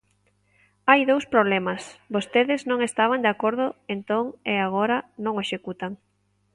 Hai dous problemas: vostedes non estaban de acordo entón e agora non o executan.